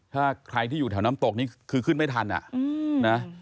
ถ้าใครที่อยู่แถวน้ำตกนี่คือขึ้นไม่ทันอ่ะนะ